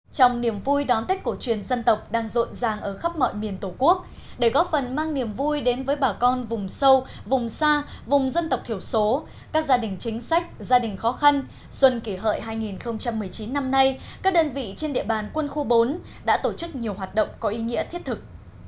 trong niềm vui đón tết cổ truyền dân tộc đang rộn ràng ở khắp mọi miền tổ quốc để góp phần mang niềm vui đến với bà con vùng sâu vùng xa vùng dân tộc thiểu số các gia đình chính sách gia đình khó khăn xuân kỷ hợi hai nghìn một mươi chín năm nay các đơn vị trên địa bàn quân khu bốn đã tổ chức nhiều hoạt động có ý nghĩa thiết thực